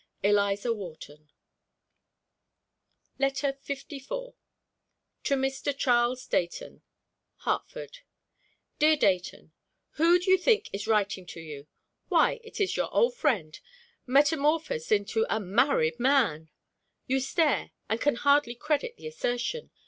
ELIZA WHARTON. LETTER LIV. TO MR. CHARLES DEIGHTON. HARTFORD. Dear Deighton: Who do you think is writing to you? Why, it is your old friend, metamorphosed into a married man! You stare, and can hardly credit the assertion.